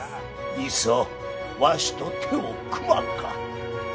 いっそわしと手を組まんか。